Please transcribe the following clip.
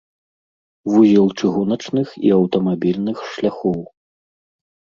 Вузел чыгуначных і аўтамабільных шляхоў.